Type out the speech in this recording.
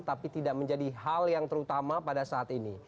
tapi tidak menjadi hal yang terutama pada saat ini